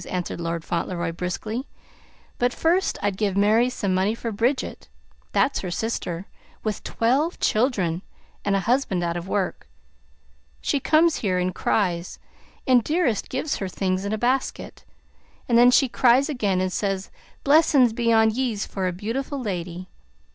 answered Lord Fauntleroy briskly; "but first I'd give Mary some money for Bridget that's her sister, with twelve children, and a husband out of work. She comes here and cries, and Dearest gives her things in a basket, and then she cries again, and says: 'Blessin's be on yez, for a beautiful lady.'